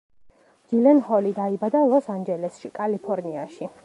ჯილენჰოლი დაიბადა ლოს-ანჯელესში, კალიფორნიაში.